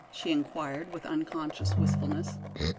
she inquired, with unconscious wistfulness.